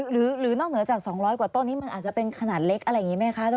หรือนอกเหนือจาก๒๐๐กว่าต้นนี้มันอาจจะเป็นขนาดเล็กอะไรอย่างนี้ไหมคะ